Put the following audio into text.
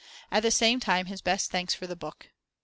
At the same time his best thanks for the book.